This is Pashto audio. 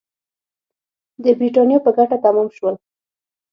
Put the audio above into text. د برېټانیا په ګټه تمام شول.